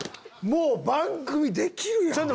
もう番組できるやん！